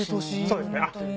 そうですねあっ！